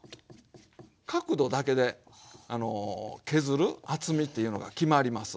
角度だけであの削る厚みっていうのが決まります。